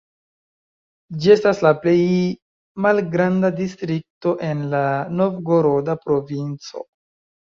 Ĝi estas la plej malgranda distrikto en la Novgoroda provinco.